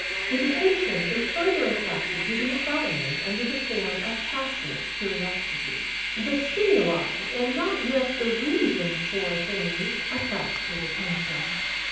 His attention is further attracted to the environment under the form of passive curiosity. The stimuli, and not yet the reasons for things, attract his attention.